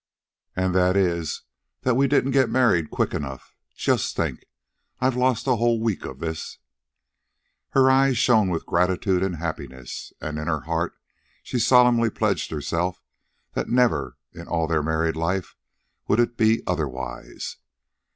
"An' that is that we didn't get married quick enough. Just think. I've lost a whole week of this." Her eyes shone with gratitude and happiness, and in her heart she solemnly pledged herself that never in all their married life would it be otherwise.